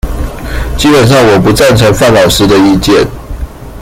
基本上我不贊成范老師的意見